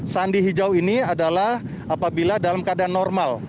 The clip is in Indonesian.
sandi hijau ini adalah apabila dalam keadaan normal